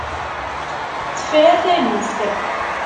Tefra taluft!